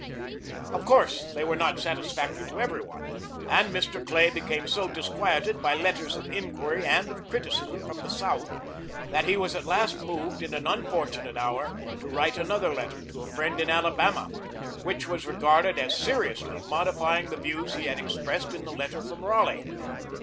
Of course they were not satisfactory to every one, and Mr. Clay became so disquieted by letters of inquiry and of criticism from the South, that he was at last moved, in an unfortunate hour, to write another letter to a friend in Alabama, which was regarded as seriously modifying the views he had expressed in the letter from Raleigh.